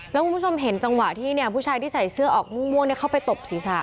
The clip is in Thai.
แล้วคุณผู้ชมเห็นจังหวะที่ผู้ชายที่ใส่เสื้อออกม่วงเข้าไปตบศีรษะ